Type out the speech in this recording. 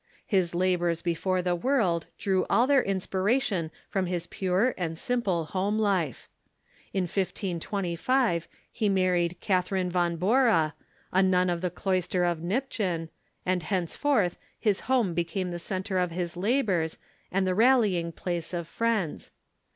His labors before the world drew all their ins^^iration from liis pure and simple home life. In 1525 he mar Luther s j.jg^| Catherine von Bora, a nun of the cloister of Private Life ' Nimptchen, and henceforth his home became the centre of his labors and the rallying place of friends.